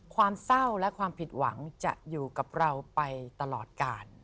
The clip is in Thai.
ความเศร้าและความผิดหวังจะอยู่กับเราไปตลอดกาล